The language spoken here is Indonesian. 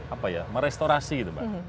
apa ya merestorasi gitu mbak